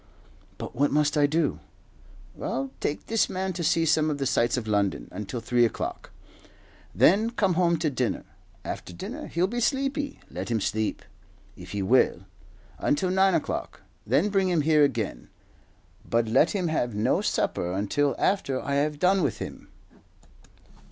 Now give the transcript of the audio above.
"But what must I do?" "Well, take this man to see some of the sights of London until three o'clock, then come home to dinner. After dinner he'll be sleepy. Let him sleep, if he will, until nine o'clock; then bring him here again; but let him have no supper until after I have done with him."